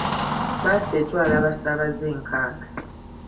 Bbaasi etwala abasaabaze nkaaga.